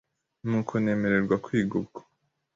nuko nemererwa kwiga ubwo